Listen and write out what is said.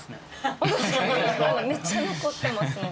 めっちゃ残ってますので。